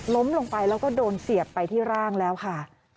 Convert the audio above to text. ลงไปแล้วก็โดนเสียบไปที่ร่างแล้วค่ะ